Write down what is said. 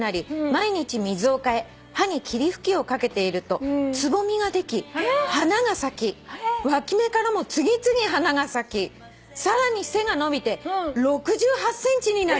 毎日水を替え葉に霧吹きを掛けているとつぼみができ花が咲きわき芽からも次々花が咲きさらに背が伸びて６８ｃｍになりました」